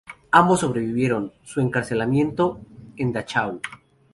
Ambos sobrevivieron su encarcelamiento en Dachau.